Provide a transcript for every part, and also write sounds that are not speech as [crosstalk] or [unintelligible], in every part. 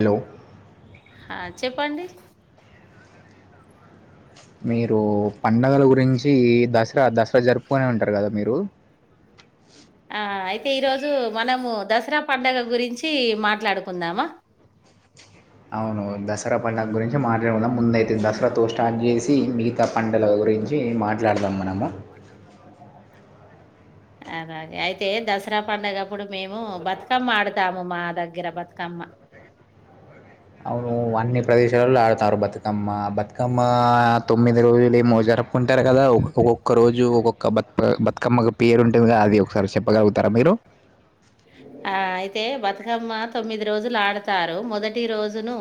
Hello ఆ చెప్పండి మీరు పండుగల గురించి దసరా దసరా జరుపుకునే ఉంటారు కదా మీరు ఈ రోజు మనము దసరా పండుగ గురించి మాట్లాడుకుందామా అవును దసరా పండుగ గురించి మాట్లాడుకుదాం ముందైతే దసరాతో స్టార్ట్ చేసి మిగతా పండుగల గురించి ఏం మాట్లాడుదాం మనము అలాగే అయితే దసరా పండగప్పుడు మేము బతుకమ్మ ఆడుతాము మా దగ్గర బతుకమ్మ అే అవును అన్ని ప్రదేశాలల్ల ఆడతార్రు బతుకమ్మ బతుకమ్మ తొమ్మిది రోజులు ఏమో జరపుకుంటె కదా ఒక్కొక్క రోజు ఒక్కొక్క బ బతుకమ్మకి పేరు ఉంటది గా అది ఒకసారి చెప్పగలుగుతర మీరు హూ ఆ అయితే బతుకమ్మ తొమ్మిది రోజులు ఆడుతారు మొదటి రోజును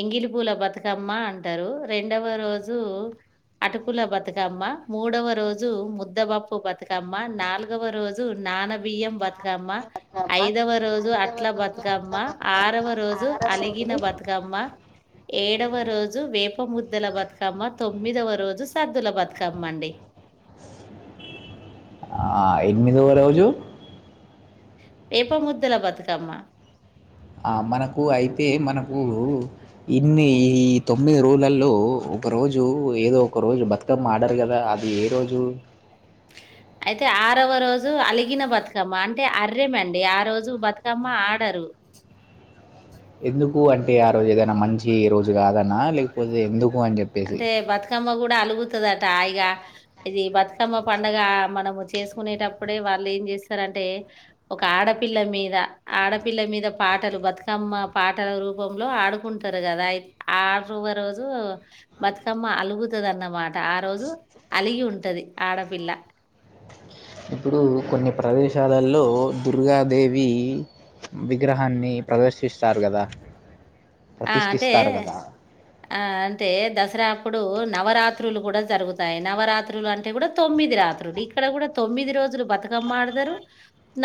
ఎంగిలి పూల బతుకమ్మ అంటారు రెండవ రోజు అటుకుల బతుకమ్మ మూడవ రోజు ముద్దబప్పు బతుకమ్మ నాలుగవ రోజు నానబియ్యం బతుకమ్మ ఐదవ రోజు అట్ల బతుకమ్మ ఆరవ రోజు అలిగిన బతుకమ్మ ఏడవ రోజు వేప ముద్దల బతుకమ్మ తొమ్మిదవ రోజు సద్దుల బతుకమ్మ అండి. ఆ ఎనిమిదవ రోజు ఏప ముద్దల బతుకమ్మ ఆ మనకు అయితే మనం ఉ ఇన్ని ఈ తొమ్మిది రోజులల్లో ఒక రోజు ఏదో ఒక రోజు బతక తకమ్మ ఆడరు కదా అది ఏ రోజు అయితే ఆరవ రోజు అలిగిన బతుకమ్మ అంటే అర్రేమండి ఆ రోజు బతుకమ్మ ఆడరు. అ ఎందుకు అంటే ఆ రోజు ఏదైనా మంచి రోజు కాదన లేకపోతే ఎందుకు? అని చెప్పేసి అంటే బతుకమ్మ కూడ అలుగు లుగుతదట ఇగ ఇది బతుకమ్మ పండగ మనము చేసుకునేటప్పుడే వాళ్ళు ఏం చేస్తారు. అంటే ఒక ఆడపిల్ల మీద ఆడపిల్ల మీద పాటలు బతుకమ్మ పాటల రూ రూపంలో ఆడుకుంటారు కదా అయి ఆరవ రోజు బతుకమ్మ అలుగుతదన్నమాట ఆ రోజు అలిగి ఉంటది ఆడపిల్ల ఇప్పుడు కొన్ని ప్రదేశాలల్లో దుర్గాదేవి విగ్రహాన్ని ప్రదర్శిస్తారు కదా! ఆ అంటే ప్రతిష్ఠిస్తారు కదా ఆ అంటే దసరా అప్పుడు నవరాత్రులు కూడా జరుగుతాయి. నవరాత్రులు అంటే కూడా తొమ్మిది రాత్రులు ఇక్కడ కూడా తో తొమ్మిది రోజులు బతుకమ్మాడతరు.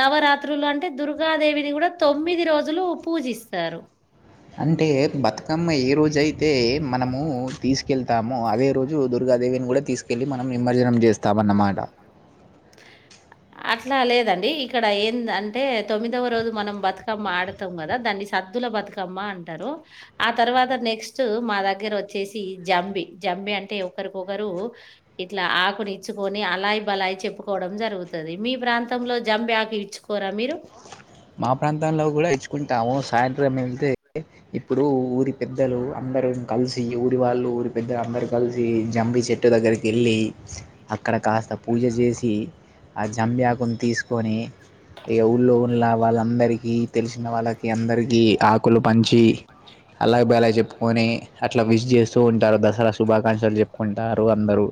నవరాత్రులు అంటే దుర్గాదేవిని కూడా తొమ్మిది రోజుల్ లు పూజిస్తారు. అంటే బతుకమ్మ ఏ రోజు అయితే మనము తీసుకెళ్తామో అదే రోజు దుర్గాదేవి బెన్ గూడ తీసుకెళ్ళి మనం నిమజ్జనం చేస్తాం అన్నమాట అట్ల లేదండి ఇక్కడ ఏంద్ అంటే తొమ్మిదవ రోజు మనం బతుకమ్మ ఆడతాం కదా దాన్ని సత్ సద్దుల బతుకమ్మ అంటరు ఆ తర్వాత నెక్స్ట్ మా దగ్గర వచ్చేసి జంబి జంబి బి అంటే ఒకరికొకరు ఇట్లా ఆకులిచ్చుకొని అలాయి బలాయి చెప్పుకు కోవడం జరుగుతది. మీ ప్రాంతంలో జంబి ఆకు ఇచ్చుకోరా మీరు మా ప్రాంతంలో కూడా ఇచ్చుకుంటాము. సాయంత్రం వెళ్తే ఇప్పుడు ఊరి పెద్దలు అందరం కలిసి ఊరి వాళ్ళు ఊరి పెద్ద అందరు కలిసి జంబి చెట్టు దగ్గరికి ఎళ్ళి అక్కడ కాస్త పూజ జెసి ఆ జాంబిఆకుని తీసుకొని ఇగ్ ఊళ్ళో లా వాళ్ళందరికి తెలిసిన వాళ్ళకి అందరికి ఆ క్కులు పంచి అలాయ్ బలాయ్ చెప్పుకొని అట్ల విష్ చేస్తూ ఉంటారు. దసరా శుభాకాంక్షలు జెప్ కుంటారు అందరూ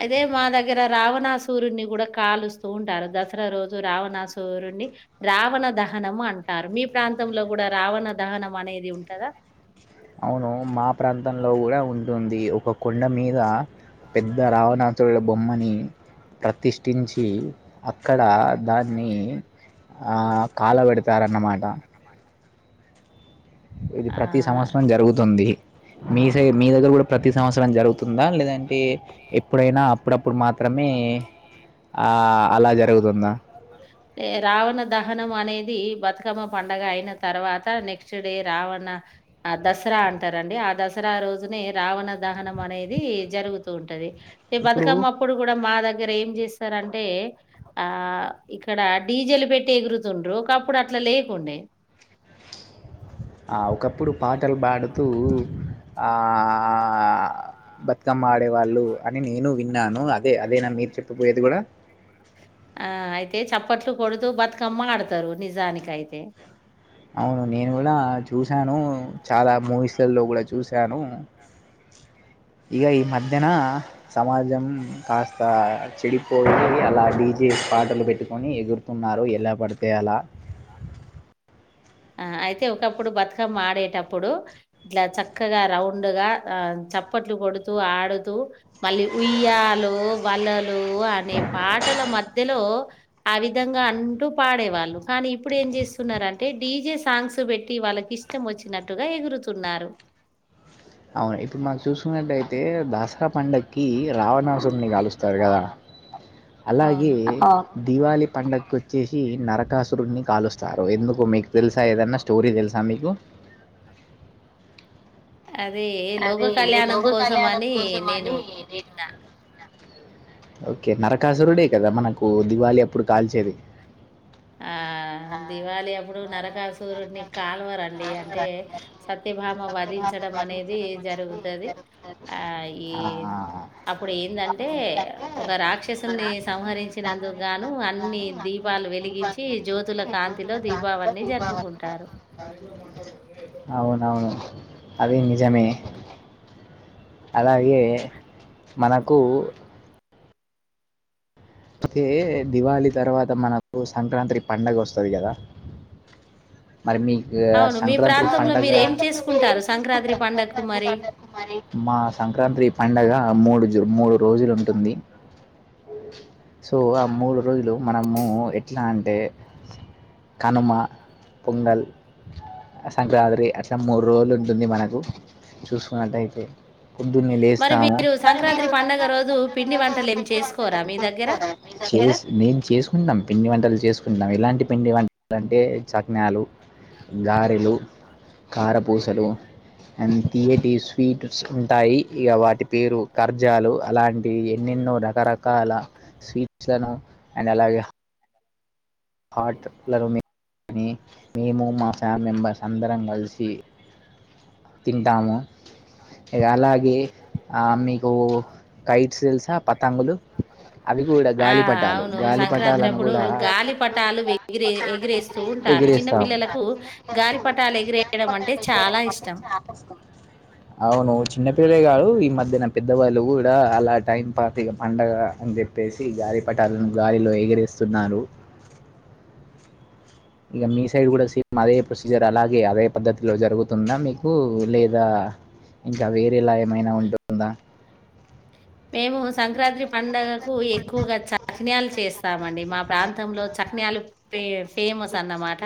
అయితే మా దగ్గ దగ్గర రావణాసురుని కూడా కాలుస్తూ ఉంటారు దసరా రోజు రావణాసురుని రావణ దహనం అంటారు. మీ ప్రాంతంలో కూడా రావణ దహనం అనేది ఉంటదా? అవును మా ప్రాంతంలో కూడా ఉంటుంది. ఒక కొండ మీద పెద్ద రావణాసుల బొమ్మని ప్రతిష్ టించి అక్కడ దాన్ని ఆ కలబెడతారన్నమాట ఇది ఆ ప్రతి సంవత్సరం జరుగుతుంది మీ సైడ్ మీ దగ్గర కూడా ప్రతి సంవత్సరం జరుగుతుందా లేద అంటే ఎప్పుడైనా అప్పుడప్పుడు మాత్రమే ఆ, అలా జరుగుతుందా రావణ దహనం అనేది బతుకమ్మ పండుగ అయిన తర్వాత నెక్స్ట్ డే రావణ ఆ దసరా అంటారండి. ఆ దసరా రోజునే రావణ దహనం అనేది జరుగుతూ ఉంటది ఈ ఇప్పుడు బతుకమ్మ అప్పుడు కూడా మా దగ్గర దగ్గర ఏం చేస్తారంటే ఆ ఇక్కడ డీ జె లు పెట్టి ఎగురుతుండ్రు ఒకప్పుడు అట్లా లేకుండే ఆ ఒకప్పుడు పాటలు పాడుతూ ఆ బతుకమ్మ ఆడే వాళ్ళు అని నేను విన్నాను అదే అదేనా మీరు చెప్పబోయేది గూడా ఆ అయితే చప్పట్లు కొడుతూ బతుకమ్మ ఆడతారు నిజానికైతే అవును నేను గూడా చూసి చూసాను చాలా మూవీస్ లలో గూడా చూసాను ఇగ ఈ మధ్యన సమాజం కాస్త చెడిపోయి అలా డీజే పాటలు పెట్టుకొని ఎగురుతున్నారు ఎలా పడితే అలా ఆ అయితే ఒకప్పుడు బతుకమ్మ ఆడేటప్పుడు ఇట్లా చక్కగా రౌండ్ గా ఆ చప్పట్లు కొడుతూ ఆడుతూ మళ్ళీ ఉయ్యాలో వలలు లూ అనే పాటల మధ్యలో ఆ విధంగా అంటూ పాడేవాళ్ళు కానీ ఇప్పుడు ఏం చేస్తున్నారంటే డీజే సాంగ్స్ బెట్టి వాళ్ళకి ఇష్టం వచ్చినట్టుగా ఎగురుతున్నారు అవును ఇప్పుడు మాకు చూసుకున్నట్టయితే దసరా పండుగకి రావణాసుని గాలుస్తారు గదా అలాగే అవును. దివాళి పండగకు వచ్చేసి నరకాసురుని కాలుస్తారు ఎందుకు మీకు తెలుసా ఏదన్నా స్టోరీ దెలుసా మీకు అదే లోక అదే కళ్యాణం లోక కళ్యాణం కోసమని కోసం అని నేను నేను విన్నా. ఓకే నరకాసురుడే కదా మనకు దివాళి అప్పుడు కాల్చేది ఆ దివాళి అప్పుడు నర కాసురుడిని కాల్వరండి అంటే సత్యభామ వధించడం అనేది జరుగుత సఓ [inaudible] ఆ ఏ అప్పుడు ఏందంటే ఒక రాక్షసుని సంహరించినందుకు గాను అన్ని దీపాలు వెలి గించి జ్యోతుల కాంతిలో దీపావళిని జరుపుకుంటారు అవునవును అది నిజమే అలా యే మనకు అయితే దివాళి తర్వాత మనకు సంక్రాంతి పండగ వస్తది గదా [inaudible] అవును మీ ప్రాంతంలో మీరు ఏం చేసుకుంటారు సంక్రాంతి పండగకు మరి మా సంక్రాంతి పండగ మూడు జు మూడు రోజులు ఉంటుంది సో ఆ మూడు రోజులు మనము ఎట్లా అంటే కనుమ పొంగల్ సంక్రాంతి అట్లా మూడు రోజులు ఉంటుంది మనకు చూసుకున్నట్టయితే పొద్దున్నే మరి లేస్తాము మీరు సంక్రాంతి పండుగ రోజు పిండి వంటలు ఏమి చేసుకోరా మీ దగ్గర చేస్ నేను చేసుకుంటున్నాం పిండి వంటలు చేసుకుంటున్నాం ఎలాంటి పిండి వంటలు అంటే సఖినాలు గారెలు కారపూసలు అండ్ తీయటి స్వీట్స్ ఉంటాయి ఇగ వాటి పేరు ఖర్జాలు అలాంటివి ఎన్ని ఎన్నో రకరకాల స్వీట్స్లను అండ్ అలాగే హట్లను మేము మా ఫ్యామ్ మెంబర్స్ అందరం కలిసి తింటాము ఇగ అలాగే ఆ మీకు కైట్స్ తెలుసా పతంగులు అవి గూడా ఆ! గాలి పటాలు గాలి పటాలని గూడా పటాలు ఎరే ఎగిరేస్తూ ఉంటారు చిన్న ఎగిరేస్తాము పిల్లలకు గాలి పటాలు ఎగిరేయడం అంటే చాలా బట్టి ఇష్టం. చపి వస్తుంది [unintelligible] అవును చిన్న పిల్లలే గాదు ఈ మధ్యన పెద్దవాళ్ళు గూడా అలా టైం పాస్ ఇగ పండగ అన్ చెప్పేసి గాలి పటాలను గాలిలో ఎగిరేస్తున్నారు ఇగ మీ సైడ్ గూడా సేమ్ అదే ప్రొసీజర్ అలాగే అదే పద్ధతిలో జరుగుతుందా మీకు లేదా ఇంకా వేరేలా ఏమైనా ఉంటుందా. మేము సంక్రాంతి పండుగకు ఎక్కువగా చకినాలు చేస్తాం అండి మా ప్రాంతంలో చకినాలు ఫే ఫేమస్ అన్నమాట.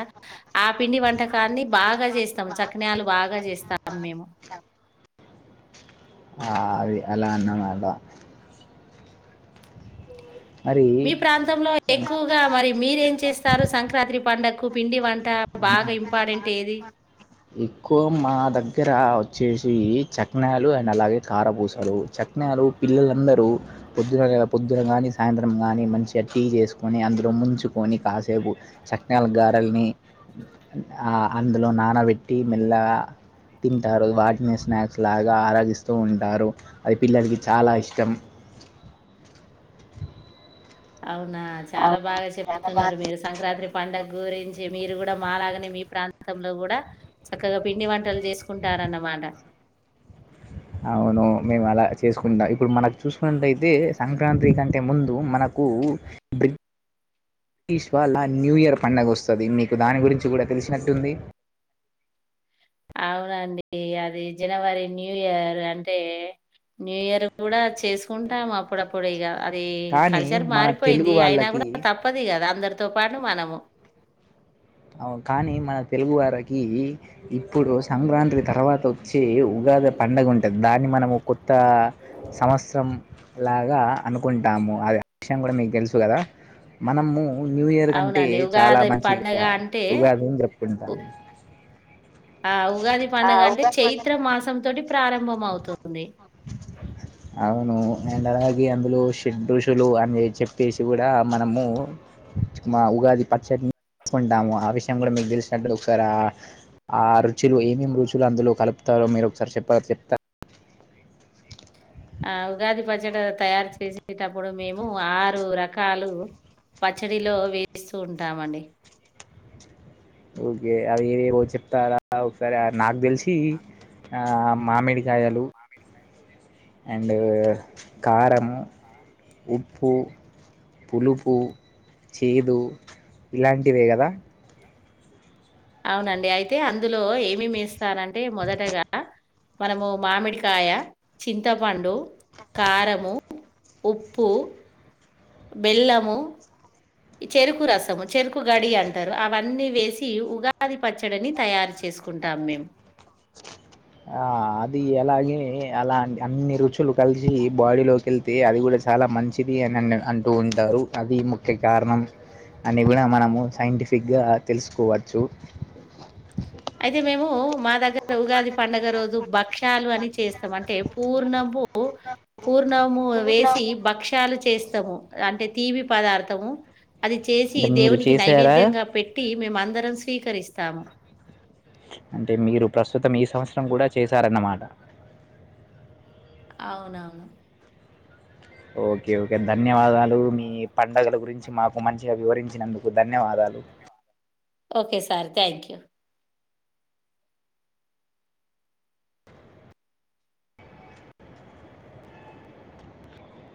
ఆ పిండి వంటకాన్ని బాగా చేస్తాము. చకినాలు బాగా చేస్తాం మేము. ఆ అవి అలా అన్నమాట. మరి మీ ప్రాంతంలో ఎక్కువగా మరి మీరేం చేస్తారు సంక్రాంత్రి పండుగ కు పిండి వన్ ఎక్కువ మా దగ్గ దగ్గర వచ్చేసి చకినాలు అండ్ అలాగే కారపూసలు. చక్నాలు పిల్లలందరూ పొద్దున పొద్దున కానీ సాయంత్రం కానీ మంచిగా టీ చేసుకొని అందులో ముంచుకొని కాసేపు సకినాలు, గారెల్ని ఆ అందులో నానబెట్టి మెల్లగా తింటారు, వాటిని స్నాక్స్ లాగా ఆరగిస్తూ ఉంటారు. అది పిల్లలకి చాలా ఇష్టం. అవునా చాలా బాగా చెప్తున్నరు మీరు సంక్రాంత్రి పండుగ గురించి మీరు కూడా మాలాగనే మీ ప్రాంతంలో కూడా చక్కగా పిండి వంటలు చేసుకుంటారన్నమా ట అవును మేము అలా చేసుకుంటాం. ఇప్పుడు మనకు చూసుకున్నట్టయితే సంక్రాంతి కంటే ముందు మన కు బ్రి ష్ వాళ్ళ న్యూ ఇయర్ పండుగ వస్తది. మీకు దాని గురించి కూడా తెలిసినట్టుంది. అ అవునండి అది జనవరి న్యూ ఇయర్ అంటే న్యూ ఇయర్ కూడా చేసుకుంటాము అప్పుడప్పుడు ఇగా అది కానీ కల్చర్ మన మారిపోయింది తెలుగు అయినా వాళ్ళకి కూడా తప్పది ఇగా అందరు తో పాటు మనము. అవును కానీ మన తెలుగు వారికి ఇప్పుడు సంక్రాంతి తర్వాత వచ్చే ఉ గాది పండగ ఉంటది దాన్ని మనము కొత్తా సంవత్సరం లాగా అనుకుంటాము. అది ఆ విషయం కూడా మీకు తెలుసు కదా. మనము న్యూ ఇయర్ కంటే అవునండి చాలా ఉగాది మంచి పండగ గా అంటే ఉగాదిని ఉ జరుపుకుంటాము. ఆ ఉగాది పండుగ అంటే చైత్ర మాసం తోటి ప్రారంభం అవుతుంది. అవు అండ్ అలాగే అందులో షెడ్ రుచులు అని చెప్పేసి కూడా మనము మా ఉగాది పచ్చడిని సుకుంటాము ఆ విషయం కూడా మీకు తెలిసినట్టు ఒకసారి ఆ ఆ చులు ఏమేం రుచులు అందులో కలుపుతారో మీరు ఒకసారి చెప్పాగా చెప్తారా. ఆ ఉగాది పచ్చడ తయారు చేసేటప్పుడు మేము ఆరు రకాలు పచ్చడిలో వేస్తూ ఉంటామండి. ఓకే అవి ఏవేవో చెప్తారా ఒకసారి. నాకు తెలిసి ఆ మామిడికాయలు అండ్ కారము, ఉప్పు పులుపు, చేదు ఇలాంటివే కదా అవునండి అయితే అందులో ఏమేమి ఎస్తారంటే మొదటగా మనము మామిడికాయ, చింతపండు, కారము ఉప్పు, బెల్లము ఈ చెరుకు రసము చెరుకు గడి అంటరు. అవన్నీ వేసి ఉగాది పచ్చడని తయారు చెస్ తీసుకుంటాం మేం. [unintelligible] ఆ అది అలాగే అలా అన్ని రుచులు కలిసి బాడీలోకి వెళ్తే అది కూడా చల్ చాలా మంచిది అని అంటూ ఉంటారు అది ముఖ్య కారణం. అని కూడా మనము సైంటిఫిక్ గా తెలుసుకోవచ్చు అయితే మేము మా దగ్గర ఉగాది పండగ రోజు భక్ష్యాలు అని చేస్తాం అంటే ఎప్ పూర్ణ బు పూర్ణము వేసి భక్ష్యాలు చే చేస్తము అంటే తీపి పదార్ధము అది చేసి అంటే మీరు దేవునికి చేసారా నైవేద్యంగా పెట్టి మేము అందరం స్వీకరిస్తాము అంటే మీరు ప్రస్తుతం ఈ సంవత్సరం కూడా చేశారన్నమాట అవును అవును ఒకే ఒకే ధన్యవాదాలు మీ పండగల గురించి మాకు మంచిగా వివరించినందుకు ధన్యవాదా లు ఒకే సార్ థ్యాంక్యూ